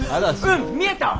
うん見えたわ！